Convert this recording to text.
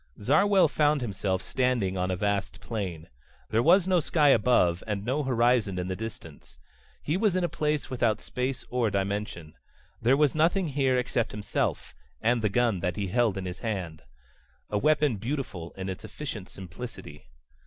Zarwell found himself standing on a vast plain. There was no sky above, and no horizon in the distance. He was in a place without space or dimension. There was nothing here except himself and the gun that he held in his hand. A weapon beautiful in its efficient simplicity.